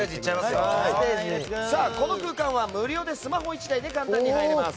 この空間は、無料でスマホ１台で簡単に入れます。